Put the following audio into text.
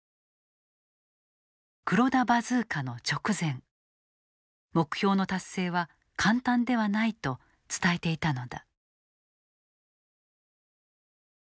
黒田バズーカの直前目標の達成は簡単ではないと伝えていたのだ。